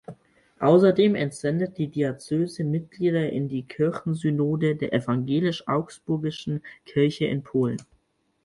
Außerdem entsendet die Diözese Mitglieder in die "Kirchen-Synode" der Evangelisch-Augsburgischen Kirche in Polen.